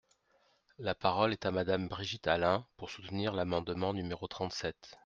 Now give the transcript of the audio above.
La parole est à Madame Brigitte Allain, pour soutenir l’amendement numéro trente-sept.